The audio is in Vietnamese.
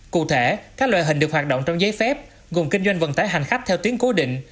cụ thể các loại hình được hoạt động trong giấy phép gồm kinh doanh vận tải hành khách theo tuyến cố định